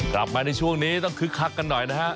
กลับมาในช่วงนี้ต้องคึกคักกันหน่อยนะฮะ